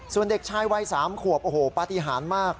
ส่วนเด็กชายวัย๓ขวบโอ้โหปฏิหารมาก